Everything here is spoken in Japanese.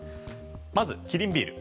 まずキリンビール。